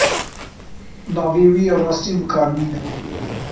Navê wî yê rastîn bi kar nîne.